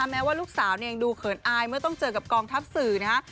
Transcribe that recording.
แม้ว่าลูกสาวเนี่ยยังดูเขินอายเมื่อต้องเจอกับกองทัพสื่อนะฮะ